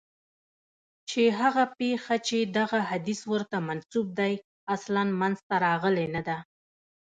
چي هغه پېښه چي دغه حدیث ورته منسوب دی اصلاً منځته راغلې نه ده.